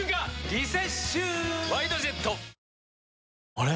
あれ？